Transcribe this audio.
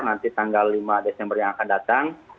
nanti tanggal lima desember yang akan datang